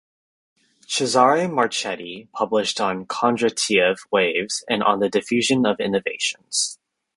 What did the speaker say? Cesare Marchetti published on Kondretiev waves and on the diffusion of innovations.